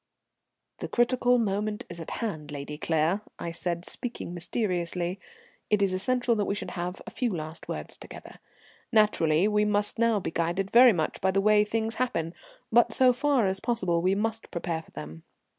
"The critical moment is at hand, Lady Claire," I said, speaking mysteriously. "It is essential that we should have a few last words together. Naturally we must now be guided very much by the way things happen, but so far as possible we must prepare for them.